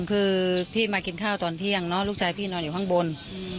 คือพี่มากินข้าวตอนเที่ยงเนอะลูกชายพี่นอนอยู่ข้างบน